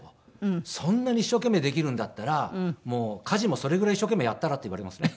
「そんなに一生懸命できるんだったら家事もそれぐらい一生懸命やったら？」って言われますね。